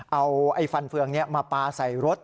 เอาไอ้ฟันเฟืองนี้มาปลาใส่รถ